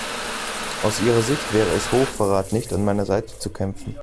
Aus ihrer Sicht wäre es Hochverrat nicht an meiner Seite zu kämpfen.